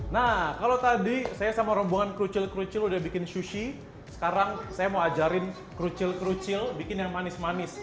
nah kalau tadi saya sama rombongan kerucil kerucil udah bikin sushi sekarang saya mau ajarin kerucil kerucil bikin yang manis manis